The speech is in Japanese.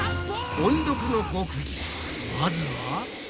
音読の極意まずは。